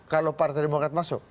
kalau partai demokrat masuk